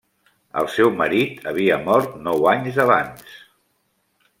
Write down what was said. El seu marit havia mort nou anys abans.